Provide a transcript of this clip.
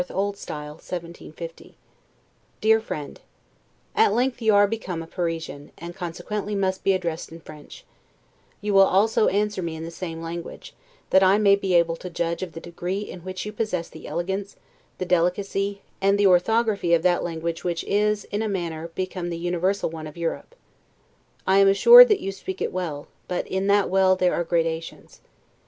LETTER CXXV LONDON, December 24, 1750 DEAR FRIEND: At length you are become a Parisian, and consequently must be addressed in French; you will also answer me in the same language, that I may be able to judge of the degree in which you possess the elegance, the delicacy, and the orthography of that language which is, in a manner, become the universal one of Europe. I am assured that you speak it well, but in that well there are gradations.